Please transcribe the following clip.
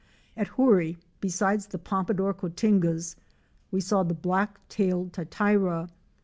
At Hoorie, beside the Pom padour Cotingas we saw the Black tailed Tityra.!"